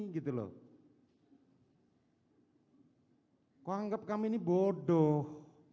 kok anggap kami ini bodoh